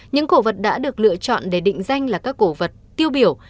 những cổ vật đã được lựa chọn để định danh là các cổ vật tiêu biểu